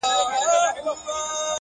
زموږ پر کور باندي چي غم دی خو له ده دی.!